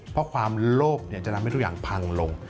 เพราะความโลภจะทำให้ทุกอย่างพังลง